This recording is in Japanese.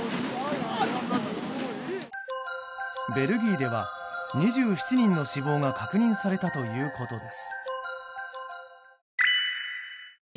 ベルギーでは２７人の死亡が確認されたということです。